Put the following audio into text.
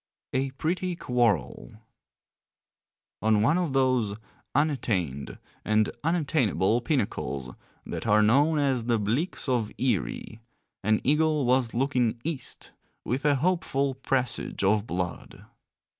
A PRETTY QUARREL On one of those unattained, and unattainable pinnacles that are known as the Bleaks of Eerie, an eagle was looking East with a hopeful presage of blood.